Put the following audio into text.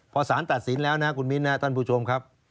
พอสารตัดสินแล้วนะคุณมิ้นนะครับท่านผู้ชมครับ